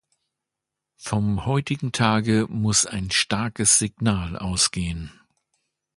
Vom heutigen Tage muss ein starkes Signal ausgehen.